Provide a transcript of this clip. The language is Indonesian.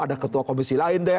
ada ketua komisi lain deh